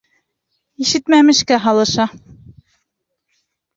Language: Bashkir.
Ишетмәмешкә һалыша.